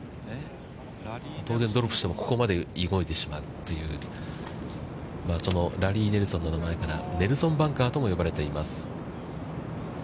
当然、ドロップしてもここまで動いてしまうという、そのラリー・ネルソンの名前からネルソンバンカーとも呼ばれています。